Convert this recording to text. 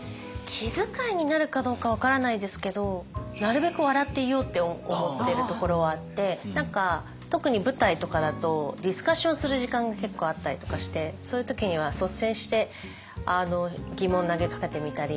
気づかいになるかどうか分からないですけどなるべく笑っていようって思ってるところはあって何か特に舞台とかだとディスカッションする時間が結構あったりとかしてそういう時には率先して疑問を投げかけてみたり。